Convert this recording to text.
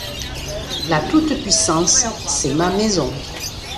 la toute-puissance, c’est ma maison.